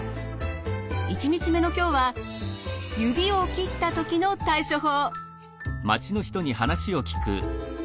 １日目の今日は指を切った時の対処法。